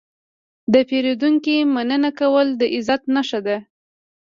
د پیرودونکي مننه کول د عزت نښه ده.